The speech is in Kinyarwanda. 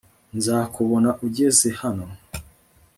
Nzakubona ugeze hano